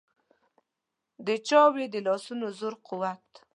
د چا وي د لاسونو زور قوت.